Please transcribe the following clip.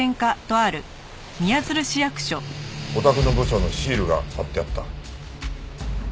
お宅の部署のシールが貼ってあった。